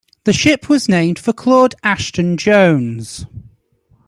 The ship was named for Claud Ashton Jones.